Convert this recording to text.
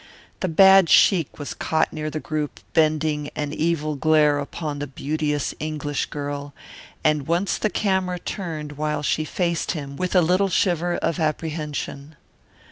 The bad sheik was caught near the group bending an evil glare upon the beauteous English girl, and once the camera turned while she faced him with a little shiver of apprehension.